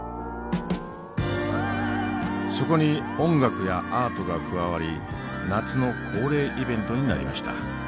そこに音楽やアートが加わり夏の恒例イベントになりました。